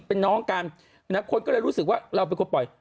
เป็นน้องกันคนก็เลยรู้สึกว่าเราเป็นคนปล่อย